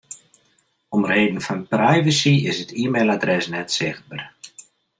Om reden fan privacy is it e-mailadres net sichtber.